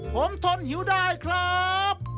ผมทนหิวได้ครับ